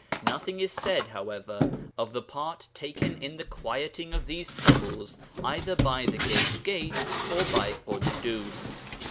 Nothing is said, however, of the part taken in the quieting of these troubles either by the 'Gate's Gate' or by Ḳuddus.